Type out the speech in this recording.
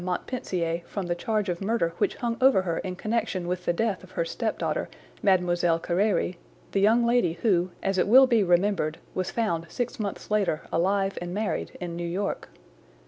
Montpensier from the charge of murder which hung over her in connection with the death of her step daughter, Mlle. Carére, the young lady who, as it will be remembered, was found six months later alive and married in New York.